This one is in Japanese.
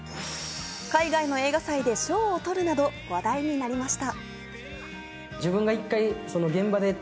海外の映画祭で賞を取るなど話題になりました。